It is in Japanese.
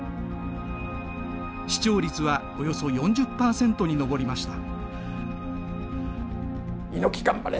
視聴率はおよそ４０％に上りました。